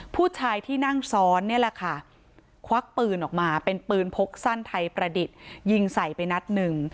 ผู้ชายที่นั่งซ้อนนี่แหละค่ะควักปืนออกมาเป็นปืนพกสั้นไทยประดิษฐ์ยิงใส่ไปนัดหนึ่ง